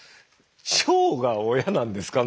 腸が親なんですか？